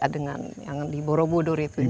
dengan yang di borobudur itu